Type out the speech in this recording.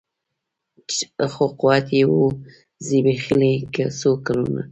خو قوت یې وو زبېښلی څو کلونو